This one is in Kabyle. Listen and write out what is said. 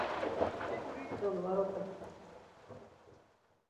Acuɣer ur iyi-d-tessawleḍ ara uqbel?